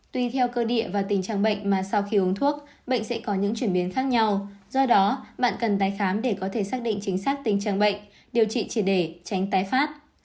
tuy theo cơ địa và tình trạng bệnh mà sau khi uống thuốc bệnh sẽ có những chuyển biến khác nhau do đó bạn cần tái khám để có thể xác định chính xác tình trạng bệnh điều trị chỉ để tránh tái phát